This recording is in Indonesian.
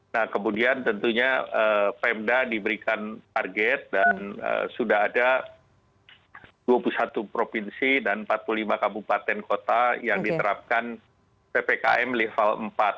nah kemudian tentunya pemda diberikan target dan sudah ada dua puluh satu provinsi dan empat puluh lima kabupaten kota yang diterapkan ppkm level empat